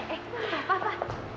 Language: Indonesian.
eh pa pa